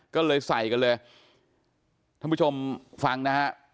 ก็เลยใส่กันเลยท่านผู้ชมฟังนะฮะ